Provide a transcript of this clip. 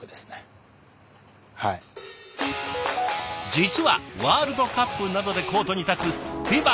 実はワールドカップなどでコートに立つＦＩＢＡ